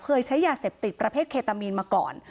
ใช้ยาเสพติดประเภทเคตามีนมาก่อน